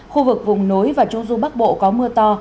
khu vực vùng núi và trung du bắc bộ có mưa to